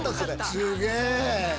すげえ。